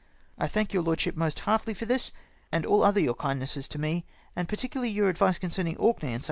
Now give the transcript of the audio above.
I thank your lordship most heartily for this and all other your kindnesses to me, and particularly your advice concerning Orkney, &c.